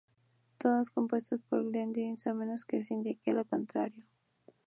Todas compuestas por Glenn Danzig a menos que se indique lo contrario.